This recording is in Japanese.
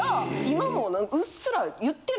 今もうっすら。